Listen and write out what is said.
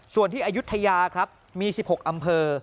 ส่วนที่อายุทยาครับมี๑๖อำเภอ